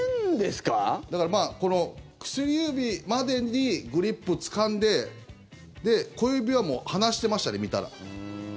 だから、薬指までにグリップつかんで小指は離してましたね、見たら。